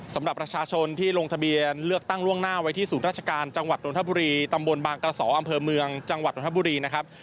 สำหรับประชาชนที่ลงทะเบียนเลือกตั้งล่วงหน้าไว้ที่ศูนย์ราชการจังหวัดนทบุรีตำบลบางกระสออำเภอเมืองจังหวัดนทบุรีนะครับ